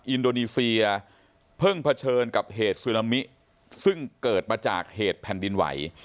อินโดนีเซียเพิ่งเผชิญกับเหตุซึนามิซึ่งเกิดมาจากเหตุแผ่นดินไหว